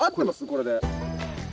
これで。